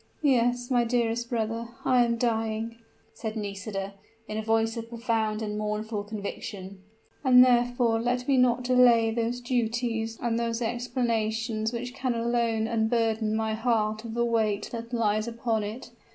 "Yes, dearest brother, I am dying," said Nisida, in a voice of profound and mournful conviction; "and therefore let me not delay those duties and those explanations which can alone unburden my heart of the weight that lies upon it!